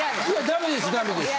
ダメですダメです。